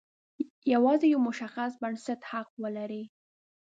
یوازې یو مشخص بنسټ حق ولري.